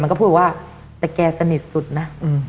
ก็พูดว่าแต่แกสนิทสุดนะ